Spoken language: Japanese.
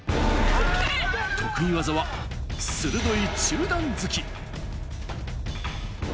得意技はするどい中段突き。